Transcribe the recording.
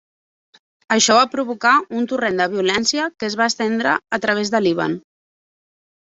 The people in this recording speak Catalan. Això va provocar un torrent de violència que es va estendre a través del Líban.